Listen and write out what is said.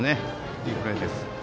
いいプレーです。